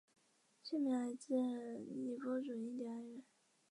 县名来自波尼族印第安人。